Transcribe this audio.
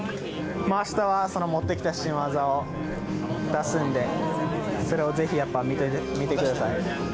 まあ、あしたは持ってきた新技を出すので、それをぜひやっぱ見てください。